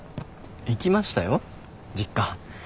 行きましたよ実家。